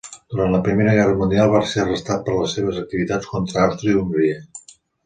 Durant la Primera Guerra Mundial va ser arrestat per les seves activitats contra Àustria-Hongria.